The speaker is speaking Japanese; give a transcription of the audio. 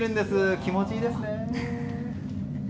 気持ちいいですね。